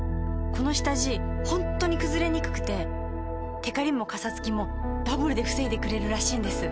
この下地ホントにくずれにくくてテカリもカサつきもダブルで防いでくれるらしいんです。